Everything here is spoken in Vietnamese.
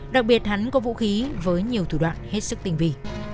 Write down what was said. đặc biệt hắn có vũ khí với nhiều thủ đoạn hết sức tinh vị